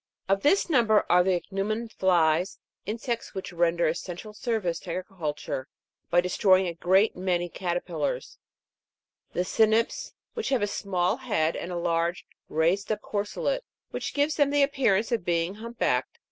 Of this number are the Ichneumon Jlies, insects which render essential service to agriculture by destroying a great many caterpillars ; the Cynips, which have a small head, and a large, raised up corselet, which gives them the appearance of being hump backed.